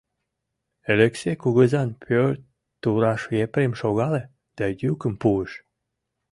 Элексей кугызан пӧрт тураш Епрем шогале да йӱкым пуыш: